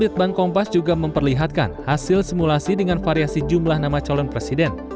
litbang kompas juga memperlihatkan hasil simulasi dengan variasi jumlah nama calon presiden